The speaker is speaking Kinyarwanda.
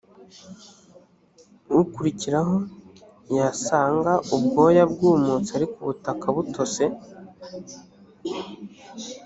ukurikiraho yasanga ubwoya bwumutse ariko ubutaka butose